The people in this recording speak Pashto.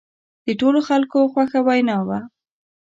د ټولو خلکو خوښه وینا وه.